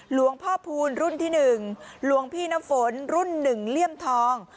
หลวงพ่อพูนรุ่นที่หนึ่งหลวงพี่น้ำฝนรุ่นหนึ่งเลี่ยมทอง